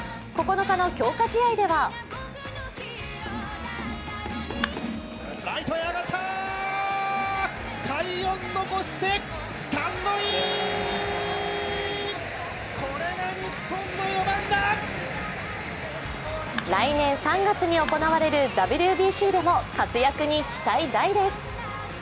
９日の強化試合では来年３月に行われるＷＢＣでも活躍に期待大です。